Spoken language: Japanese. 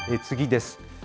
次です。